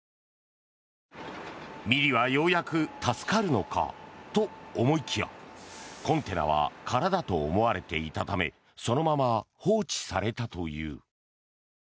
ミリはようやく助かるのかと思いきやコンテナは空だと思われていたためそのまま放置されたという。